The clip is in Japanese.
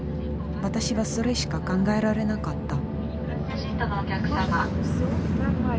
私はそれしか考えられなかった。